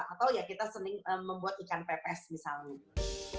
atau ya kita sening membuat ikan pepes misalnya